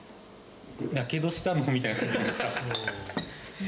やけどしたのみたいな感じで。